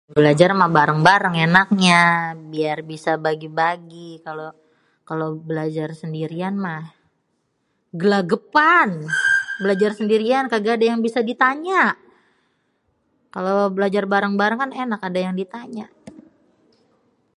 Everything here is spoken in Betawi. belajar mah barèng-barèng ènaknya, biar bisa bagi bagi kalo, kalo belajar sendirian mah gêlagêpan, belajar sendirian kaga adê yang bisa di tanya kalo belajar barèng-barèng kan ènak ada yang di tanya .